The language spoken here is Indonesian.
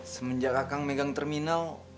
semenjak akang megang terminal